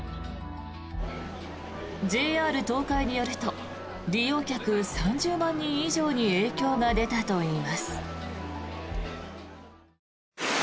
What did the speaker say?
ＪＲ東海によると利用客３０万人以上に影響が出たといいます。